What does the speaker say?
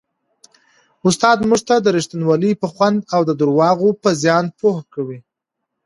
استاد موږ د رښتینولۍ په خوند او د درواغو په زیان پوه کوي.